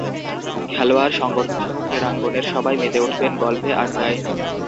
খেলোয়াড়, সংগঠকসহ ক্রীড়াঙ্গনের সবাই মেতে উঠবেন গল্পে, আড্ডায়।